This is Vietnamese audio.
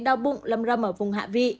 đau bụng lâm râm ở vùng hạ vị